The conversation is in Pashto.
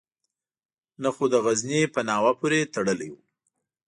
نه خو د غزني په ناوه پورې تړلی وو.